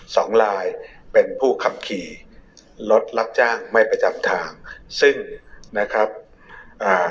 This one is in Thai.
สองลายเป็นผู้ขับขี่รถรับจ้างไม่ประจำทางซึ่งนะครับอ่า